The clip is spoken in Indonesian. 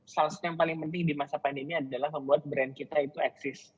salah satu yang paling penting di masa pandemi adalah membuat brand kita itu eksis